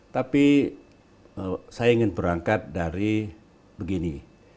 tapi saya ingin berangkat dari begini